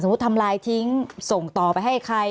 สมมติทำลายทิ้งส่งต่อไปให้ไข้